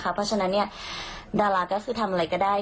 เพราะฉะนั้นดาราก็คือทำอะไรก็ได้